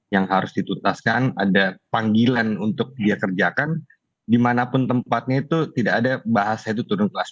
yang harus dituntaskan ada panggilan untuk dia kerjakan dimanapun tempatnya itu tidak ada bahasa itu turun kelas